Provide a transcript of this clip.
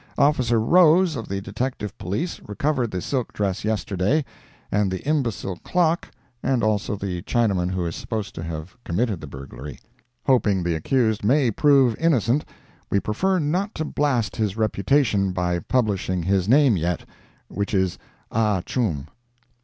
Officer Rose, of the Detective Police, recovered the silk dress yesterday, and the imbecile clock, and also the Chinaman who is supposed to have committed the burglary. Hoping the accused may prove innocent, we prefer not to blast his reputation by publishing his name yet, which is Ah Chum.